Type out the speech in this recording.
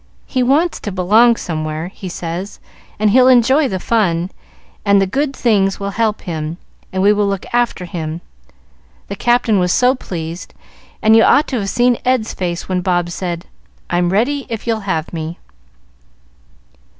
He wants to belong somewhere, he says, and he'll enjoy the fun, and the good things will help him, and we will look after him. The Captain was so pleased, and you ought to have seen Ed's face when Bob said, 'I'm ready, if you'll have me.'"